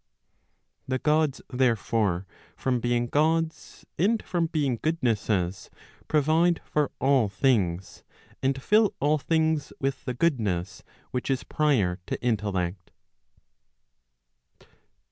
The Gods, therefore, from being Gods, and from being goodnesses, provide for all things, and fill all things with the goodness which is prior to intellect.